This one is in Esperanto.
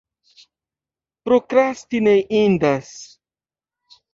Prokrasti ne indas.